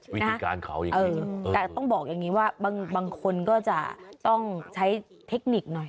วิธีการเขาอย่างนี้แต่ต้องบอกอย่างนี้ว่าบางคนก็จะต้องใช้เทคนิคหน่อย